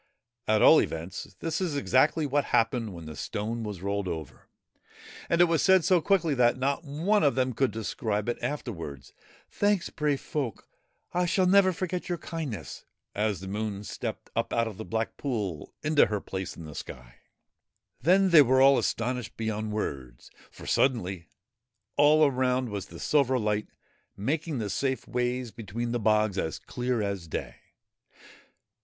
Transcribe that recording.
At all events, this is exactly what happened when the stone was rolled right over, and it was said so quickly that not one of them could describe it after wards :' Thanks, brave folk I I shall never forget your kindness/ as the Moon stepped up out of the black pool into her place in the sky. Then they were all astonished beyond words, for, suddenly, all around was the silver light, making the safe ways between the bogs as clear as day.